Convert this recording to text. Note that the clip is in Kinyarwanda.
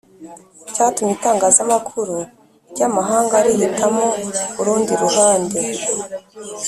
cyatumye itangazamakuru ry'amahanga rihitamo urundi ruhande.